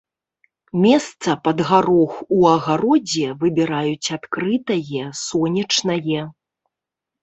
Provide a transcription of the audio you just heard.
Месца пад гарох у агародзе выбіраюць адкрытае, сонечнае.